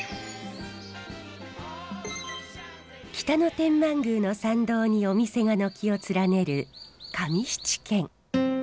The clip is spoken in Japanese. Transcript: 北野天満宮の参道にお店が軒を連ねる上七軒。